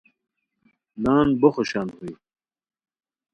نان بو خوشان ہوئے